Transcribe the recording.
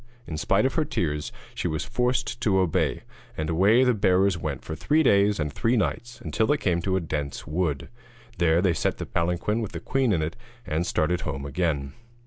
In spite of her tears, she was forced to obey, and away the bearers went for three days and three nights until they came to a dense wood. There they set down the palanquin with the queen in it, and started home again.